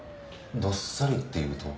どっさりっていうと？